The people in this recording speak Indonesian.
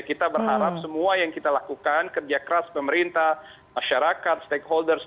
kita berharap semua yang kita lakukan kerja keras pemerintah masyarakat stakeholders